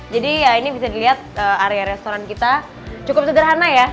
jadi ya ini bisa dilihat area restoran kita cukup sederhana ya